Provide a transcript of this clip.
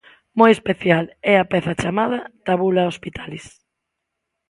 Moi especial é a peza chamada Tabula Hospitalis.